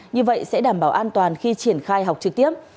như vậy sẽ đảm bảo an toàn khi triển khai học trực tiếp